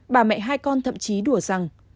bà mẹ hai con thậm chí đùa rằng